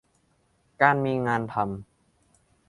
การมีงานทำ